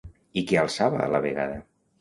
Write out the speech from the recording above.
I què alçava a la vegada?